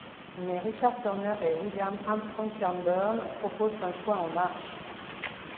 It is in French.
Mais Richard Turner et William Armstrong Fairburn proposent un toit en arche.